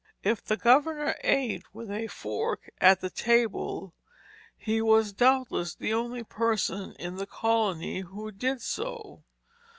If the governor ate with a fork at the table, he was doubtless the only person in the colony who did so.